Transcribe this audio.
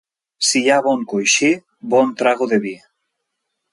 Si hi ha bon coixí, bon trago de vi.